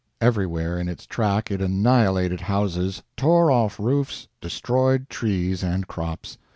Everywhere in its track it annihilated houses, tore off roofs, destroyed trees and crops.